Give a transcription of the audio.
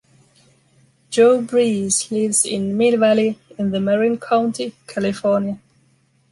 Joe Breeze lives in Mill Valley, in the Marin County, California.